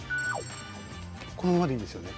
このままでいいんですよね？